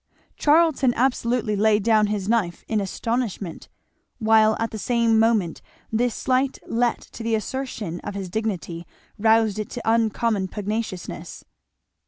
Charlton absolutely laid down his knife in astonishment; while at the same moment this slight let to the assertion of his dignity roused it to uncommon pugnaciousness.